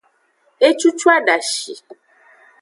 Ecucu adashi.